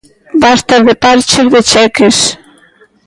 Basta de parches, de cheques.